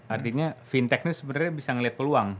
artinya fintech ini sebenarnya bisa melihat peluang